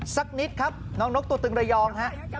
สักนิดครับนกตัวตึงระยอง